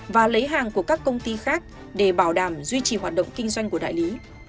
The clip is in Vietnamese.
và lấy hàng của các công ty khác để bảo đảm duy trì hoạt động kinh doanh của đại lý